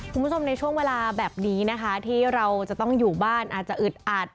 คุณผู้ชมในช่วงเวลาแบบนี้นะคะที่เราจะต้องอยู่บ้านอาจจะอึดอัด